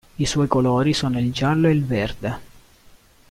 I suoi colori sono il giallo e il verde.